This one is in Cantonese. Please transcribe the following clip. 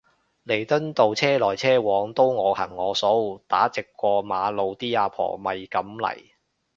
彌敦道車來車往都我行我素打直過馬路啲阿婆咪噉嚟